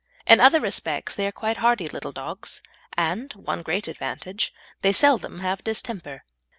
In other respects they are quite hardy little dogs, and one great advantage they seldom have distemper.